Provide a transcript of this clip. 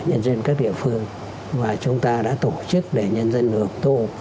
nhân dân các địa phương và chúng ta đã tổ chức để nhân dân hưởng tô